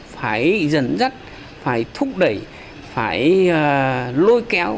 phải dẫn dắt phải thúc đẩy phải lôi kéo